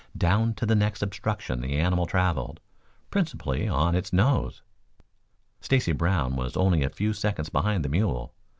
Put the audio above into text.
Down to the next obstruction the animal traveled, principally on its nose. Stacy Brown was only a few seconds behind the mule.